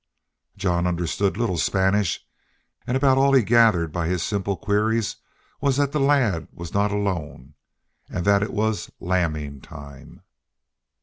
Jean understood little Spanish, and about all he gathered by his simple queries was that the lad was not alone and that it was "lambing time."